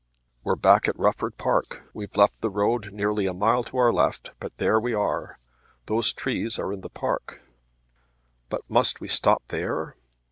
"We're back at Rufford Park. We've left the road nearly a mile to our left, but there we are. Those trees are the park." "But must we stop there?"